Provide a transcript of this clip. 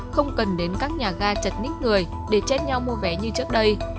không cần đến các nhà ga chật nít người để chết nhau mua vé như trước đây